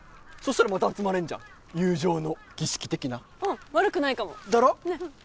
そしたらまた集まれんじゃん友情の儀式的なうん悪くないかもだろ？